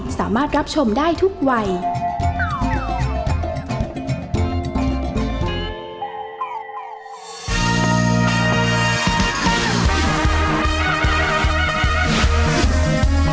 แม่บ้านประจำบ้าน